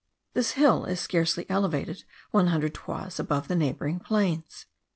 This hill is scarcely elevated one hundred toises above the neighbouring plains.